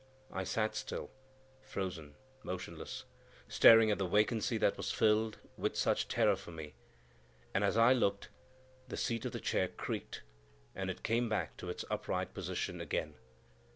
I sat still, frozen, motionless, staring at the vacancy that was filled with such terror for me; and as I looked, the seat of the chair creaked, and it came back to its upright position again.